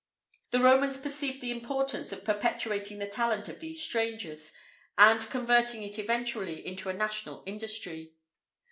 The Romans perceived the importance of perpetuating the talent of these strangers, and converting it eventually into a national industry.